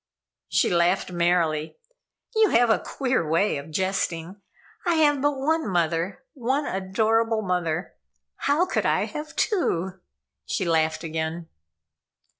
She laughed merrily. "You have a queer way of jesting. I have but one mother, one adorable mother. How could I have two?" and she laughed again.